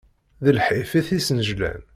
D lḥif i t-isnejlan.